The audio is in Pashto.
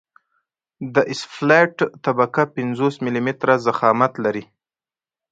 د اسفالټ طبقه پنځوس ملي متره ضخامت لري